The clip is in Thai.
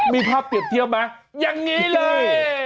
มีภาพเปรียบเทียบไหมอย่างนี้เลย